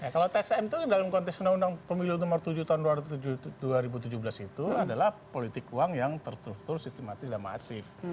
kalau tsm itu dalam konteks undang undang pemilu nomor tujuh tahun dua ribu tujuh belas itu adalah politik uang yang terstruktur sistematis dan masif